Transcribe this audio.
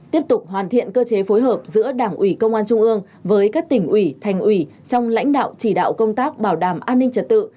tiếp tục hoàn thiện cơ chế phối hợp giữa đảng ủy công an trung ương với các tỉnh ủy thành ủy trong lãnh đạo chỉ đạo công tác bảo đảm an ninh trật tự